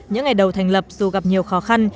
những ngày đầu thành lập dù gặp nhiều khó khăn